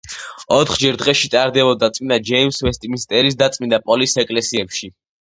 ოთხჯერ დღეში ტარდებოდა წმინდა ჯეიმზ ვესტმინსტერის, და წმინდა პოლის ეკლესიებში.